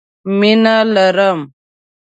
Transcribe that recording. مينه لرم